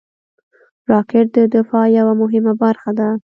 راکټ د دفاع یوه مهمه برخه ده